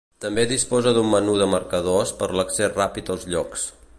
També disposa d'un menú de marcadors per l'accés ràpid als llocs.